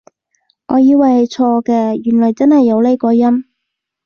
我以為係錯嘅，原來真係有呢個音？